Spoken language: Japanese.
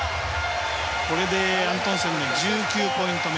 これでアントンセンが１９ポイント目。